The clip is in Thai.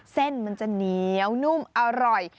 เส้นมันจะเหนียวนุ่มอร่อย